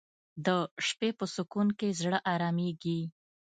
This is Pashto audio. د شپې په سکون کې زړه آرامیږي